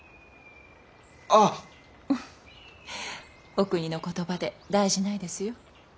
お国の言葉で大事ないですよ。